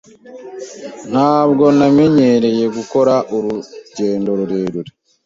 Ntabwo namenyereye gukora urugendo rurerure.